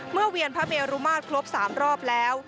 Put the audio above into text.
เวียนพระเมรุมาตรครบ๓รอบแล้ว